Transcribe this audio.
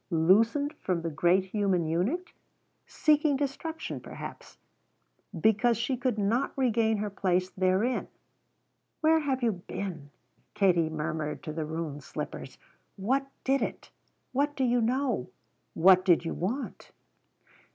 loosened from the great human unit? seeking destruction, perhaps, because she could not regain her place therein? "Where have you been?" Katie murmured to the ruined slippers. "What did it? What do you know? What did you want?"